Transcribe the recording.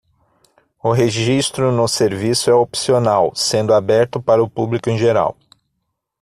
O registro no serviço é opcional, sendo aberto para o público em geral.